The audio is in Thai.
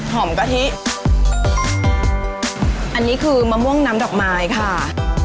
กะทิอันนี้คือมะม่วงน้ำดอกไม้ค่ะ